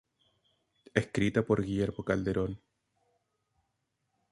Escrita por Guillermo Calderón.